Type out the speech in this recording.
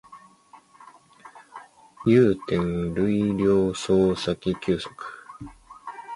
有点累了想先休息